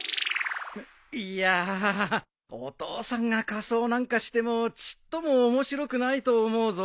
いやお父さんが仮装なんかしてもちっとも面白くないと思うぞ。